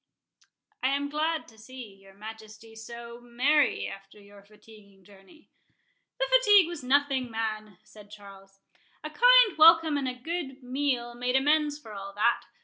"I am glad to see your Majesty so—merry after your fatiguing journey." "The fatigue was nothing, man," said Charles; "a kind welcome and a good meal made amends for all that.